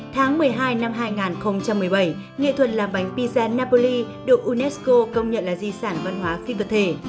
tháng một mươi hai năm hai nghìn một mươi bảy nghệ thuật làm bánh pizen napoli được unesco công nhận là di sản văn hóa phi vật thể